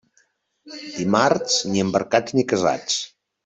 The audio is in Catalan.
Dimarts, ni embarcats ni casats.